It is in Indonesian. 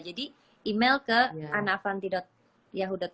jadi email ke anaavanti at yahoo com